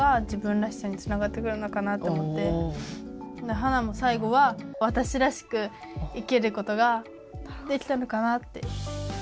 ハナも最後はわたしらしく生きることができたのかなって。